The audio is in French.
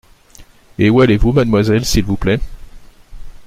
Et où allez-vous, mademoiselle, s’il vous plaît ?